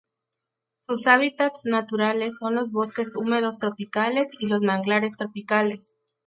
Sus hábitats naturales son los bosques húmedos tropicales y los manglares tropicales.